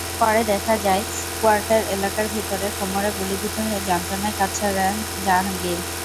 পরে দেখা যায়, কোয়ার্টার এলাকার ভেতরে কোমরে গুলিবিদ্ধ হয়ে যন্ত্রণায় কাতরাচ্ছেন জাহাঙ্গীর।